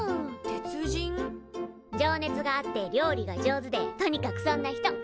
情熱があって料理が上手でとにかくそんな人。